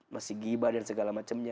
masih gibah dan segala macamnya